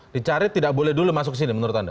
dicari tidak boleh dulu masuk ke sini menurut anda